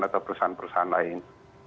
atau perusahaan perusahaan lain